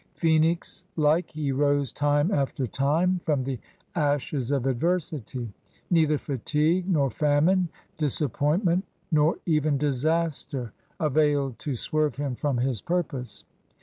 Phoenix like, he rose time after time from the ashes of adversity. Neither fatigue nor famine, disappointment nor 112 CRUSADERS OF NEW FRANCE even disaster, availed to swerve him from his purpose.